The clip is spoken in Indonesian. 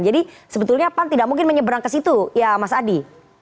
sebetulnya pan tidak mungkin menyeberang ke situ ya mas adi